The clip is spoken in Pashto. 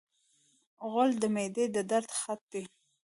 غول د معدې د درد خط دی.